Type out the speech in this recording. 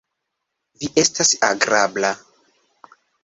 Vi estas agrabla.